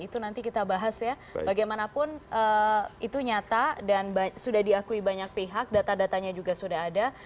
itu nanti kita bahas ya bagaimanapun itu nyata dan sudah diakui banyak pihak data datanya juga sudah ada